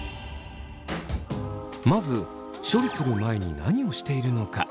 まず処理する前に何をしているのか。